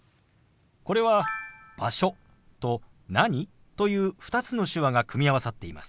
これは「場所」と「何？」という２つの手話が組み合わさっています。